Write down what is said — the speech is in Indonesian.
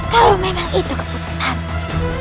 kalau memang itu keputusanmu